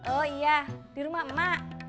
oh iya di rumah emak emak